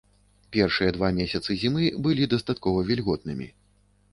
Першыя два месяцы зімы былі дастаткова вільготнымі.